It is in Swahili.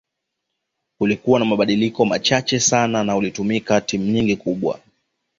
Kulikua na mabadiliko machache sana na ulitumika na timu nyingi kubwa